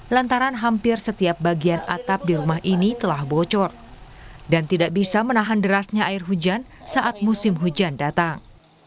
lantaran hampir setiap bagian atap di rumah ini telah bocor dan tidak bisa menahan derasnya air hujan saat musim hujan datang